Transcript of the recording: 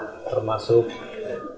jadi ya mas rendra